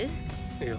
いや。